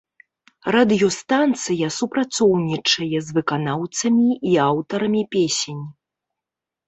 Радыёстанцыя супрацоўнічае з выканаўцамі і аўтарамі песень.